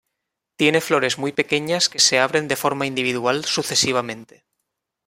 Tiene flores muy pequeñas que se abren en forma individual sucesivamente.